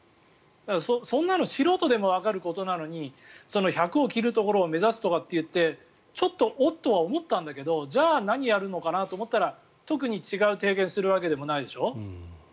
そんなの素人でもわかることなのに１００を切るところを目指すとかって言ってちょっとおっ？とは思ったんだけどじゃあ、何やるのかなと思ったら特に違う提言をするわけでもないでしょう。